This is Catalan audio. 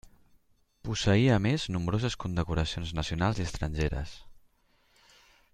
Posseïa a més nombroses condecoracions nacionals i estrangeres.